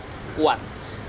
dan lebih kuat